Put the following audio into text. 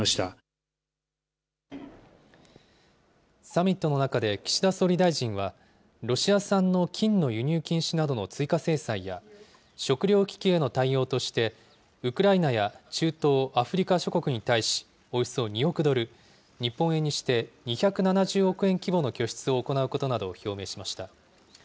サミットの中で岸田総理大臣は、ロシア産の金の輸入禁止などの追加制裁や、食料危機への対応として、ウクライナや中東・アフリカ諸国に対し、およそ２億ドル、日本円にして２７０億円規模の拠出を行うことなどを表明しました。